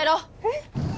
えっ？